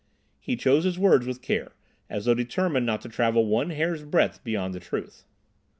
He chose his words with care, as though determined not to travel one hair's breadth beyond the truth.